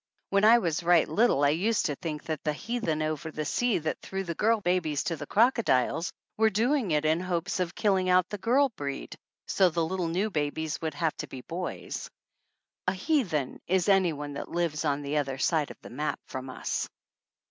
When I was right little I used to think that the heathen over the sea that threw the girl babies to the croco diles were doing it in hopes of killing out the girl breed, so the little new babies would have to be boys. A heathen is anybody that lives on the other side of the map from us.